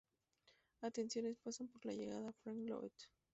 Atenciones pasan por la llegada Frank Lovett.